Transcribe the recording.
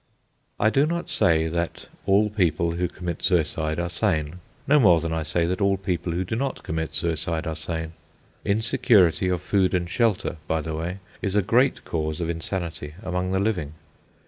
I do not say that all people who commit suicide are sane, no more than I say that all people who do not commit suicide are sane. Insecurity of food and shelter, by the way, is a great cause of insanity among the living.